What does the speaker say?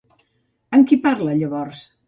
Amb qui parla llavors?